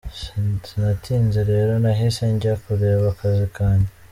Sinatinze rero nahise njya kureba akazi kanjye.”